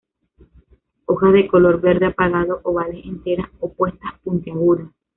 Hojas de color verde apagado, ovales, enteras, opuestas, puntiagudas.